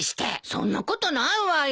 そんなことないわよ。